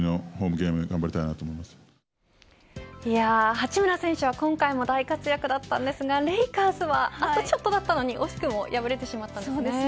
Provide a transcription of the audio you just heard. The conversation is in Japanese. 八村選手、今回も大活躍だったんですけどレイカーズはあとちょっとだったのに惜しくも敗れてしまったんです。